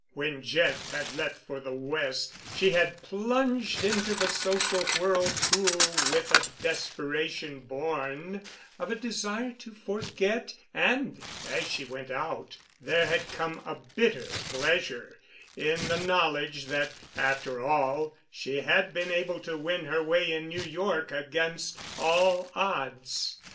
When Jeff had left for the West she had plunged into the social whirlpool with a desperation born of a desire to forget, and, as she went out, there had come a bitter pleasure in the knowledge that, after all, she had been able to win her way in New York against all odds.